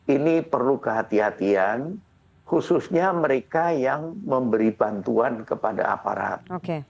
ini perlu kehatian khususnya mereka yang memberi bantuan kepada aparat